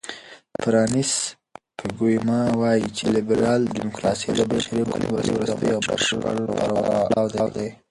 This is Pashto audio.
فرانسیس فوکویاما وایي چې لیبرال دیموکراسي د بشري حکومتولۍ وروستی او بشپړ پړاو دی.